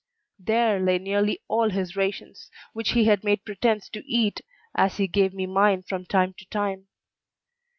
There lay nearly all his rations, which he had made pretense to eat as he gave me mine from time to time.